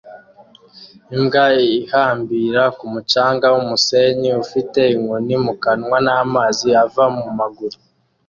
Imbwa ihambira ku mucanga wumusenyi ufite inkoni mu kanwa n'amazi ava mu maguru